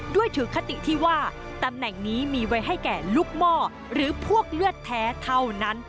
ถือคติที่ว่าตำแหน่งนี้มีไว้ให้แก่ลูกหม้อหรือพวกเลือดแท้เท่านั้น